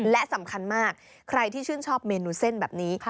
และสำคัญมากใครที่ชื่นชอบเมนูเส้นแบบนี้